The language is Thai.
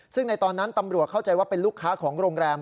ซึ่งในตอนนั้นตำรวจเข้าใจว่าเป็นลูกค้าของโรงแรม